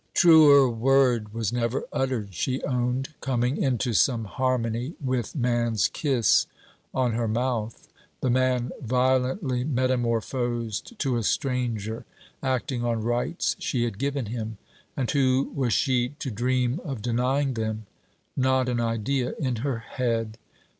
Truer word was never uttered, she owned, coming into some harmony with man's kiss on her mouth: the man violently metamorphozed to a stranger, acting on rights she had given him. And who was she to dream of denying them? Not an idea in her head!